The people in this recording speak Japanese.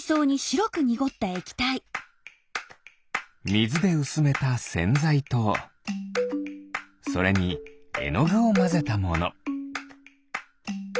みずでうすめたせんざいとそれにえのぐをまぜたもの。